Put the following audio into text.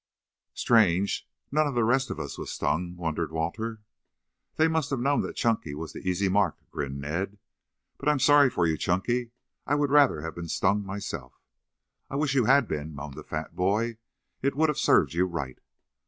"Strange none of the rest of us was stung," wondered Walter. "They must have known that Chunky was the easy mark," grinned Ned. "But I am sorry for you, Chunky. I would rather have been stung myself." "I wish you had been," moaned the fat boy. "It would have served you right."